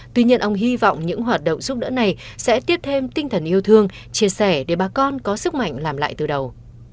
tuy nhiên ông hy vọng những hoạt động giúp đỡ này sẽ tiếp thêm tinh thần yêu thương chia sẻ để bà con có sức mạnh làm lại từ đầu